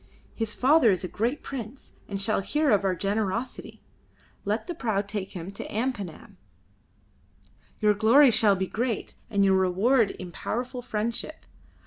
His father is a great prince, and shall hear of our generosity. Let the prau take him to Ampanam. Your glory shall be great, and your reward in powerful friendship.